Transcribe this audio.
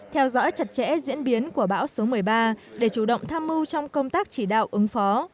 theo dõi chặt chẽ diễn biến của bão số một mươi ba để chủ động tham mưu trong công tác chỉ đạo ứng phó